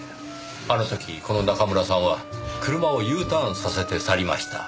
あの時この中村さんは車をＵターンさせて去りました。